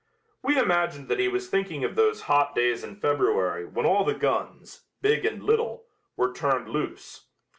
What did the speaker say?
We imagined that he was thinking of those hot days in February when all the guns, big and little, were turned loose.